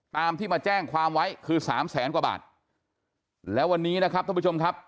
ตามที่มาแจ้งความไว้คือสามแสนกว่าบาทแล้ววันนี้นะครับท่านผู้ชมครับ